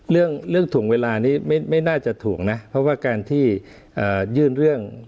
เรื่องถูกเวลานี้ไม่น่าจะถูกนะเพราะว่าการที่ยื่นเรื่อง